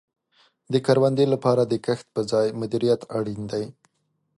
د کروندې لپاره د کښت په ځای مدیریت اړین دی.